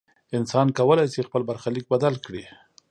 انسان کولی شي خپل برخلیک بدل کړي.